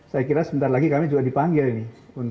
saya kira sebentar lagi kami juga dipanggil ini